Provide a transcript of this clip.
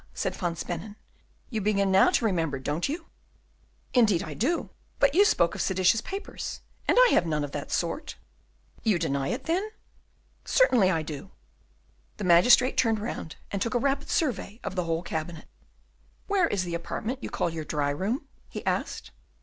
said Van Spennen, "you begin now to remember, don't you?" "Indeed I do, but you spoke of seditious papers, and I have none of that sort." "You deny it then?" "Certainly I do." The magistrate turned round and took a rapid survey of the whole cabinet. "Where is the apartment you call your dry room?" he asked.